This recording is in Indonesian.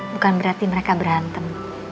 bukan berarti mereka berantem